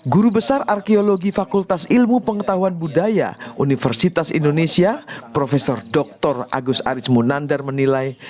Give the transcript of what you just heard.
guru besar arkeologi fakultas ilmu pengetahuan budaya universitas indonesia prof dr agus ariz munandar menilai